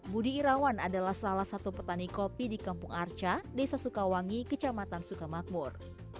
budi irawan adalah salah satu petani kopi di kampung arca desa sukawangi kecamatan sukamakmur